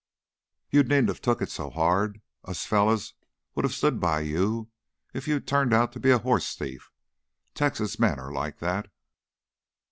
"You needn't of took it so hard. Us fellers would have stood by you if you'd turned out to be a horse thief. Texas men are like that."